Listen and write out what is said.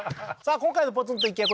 今回のポツンと一軒家